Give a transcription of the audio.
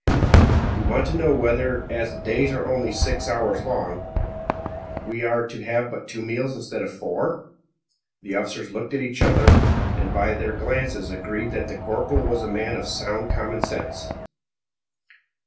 "We want to know whether, as the days are only six hours long, we are to have but two meals instead of four?" The officers looked at each other, and by their glances agreed that the corporal was a man of sound common sense.